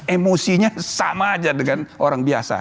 emosinya sama aja dengan orang biasa